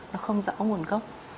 nó không rõ nguồn gốc